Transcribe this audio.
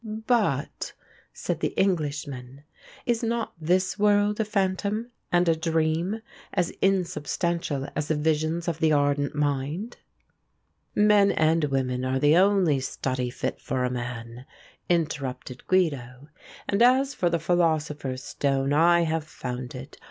"But," said the Englishman, "is not this world a phantom and a dream as insubstantial as the visions of the ardent mind?" "Men and women are the only study fit for a man," interrupted Guido, "and as for the philosopher's stone I have found it.